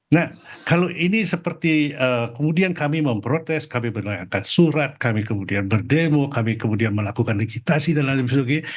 nah kalau ini seperti kemudian kami memprotes kami menanyakan surat kami kemudian berdemo kami kemudian melakukan regitasi dan lain sebagainya